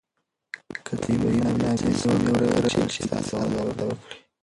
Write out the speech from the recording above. که طبیعي منابع سمې وکارول شي، اقتصاد به وده وکړي.